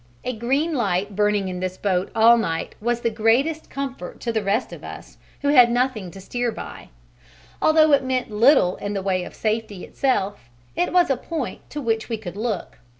A green light burning in this boat all night was the greatest comfort to the rest of us who had nothing to steer by: although it meant little in the way of safety in itself, it was a point to which we could look.